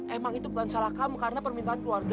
emang itu bukan salah kamu karena permintaan keluarga